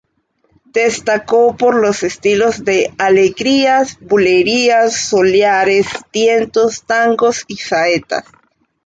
Destacó por los estilos de: alegrías, bulerías, soleares, tientos, tangos y saetas.